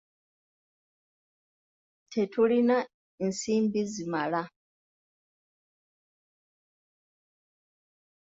Tetulina nsimbi zimala.